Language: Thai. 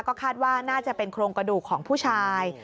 ก็คาดว่าน่าจะเป็นโครงกระดูกของผู้ชาย